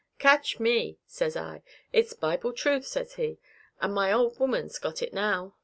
'Catch me!' says I. 'It's Bible truth,' says he, 'and my old woman's got it now.